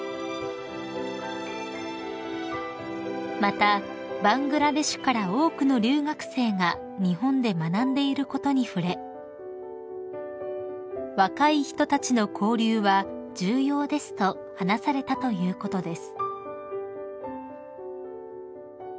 ［またバングラデシュから多くの留学生が日本で学んでいることに触れ「若い人たちの交流は重要です」と話されたということです］